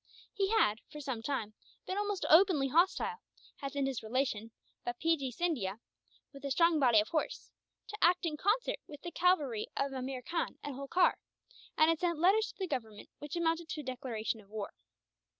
He had, for some time, been almost openly hostile; had sent his relation, Bapeejee Scindia, with a strong body of horse, to act in concert with the cavalry of Ameer Khan and Holkar; and had sent letters to the Government which amounted to a declaration of war.